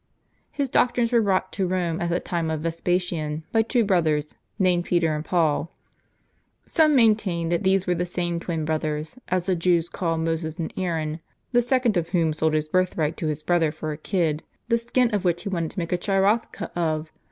His doctrines were brought to Rome at the time of Vespasian by two brothers named Peter and Paul. Some maintain that these were the same twin brothers as the Jews call Moses and Aaron, the second of wdiom sold his birthright to his brother for a kid, the skin of which he wanted to make cliirothecw* of.